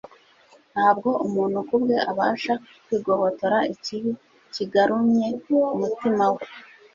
Ntabwo umuntu kubwe abasha kwigobotora ikibi cyigarunye umutima we.